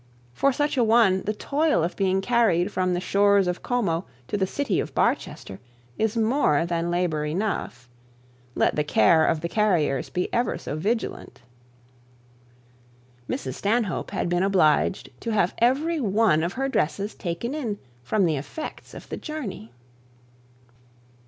For such a one, the toil of being carried from the shores of Como to the city of Barchester is more than labour enough, let the cares of the carriers be ever so vigilant. Mrs Stanhope had been obliged to have every one of her dresses taken in from the effects of the journey.